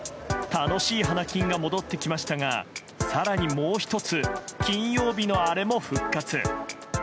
楽しい花金が戻ってきましたが更に、もう１つ金曜日のあれも復活。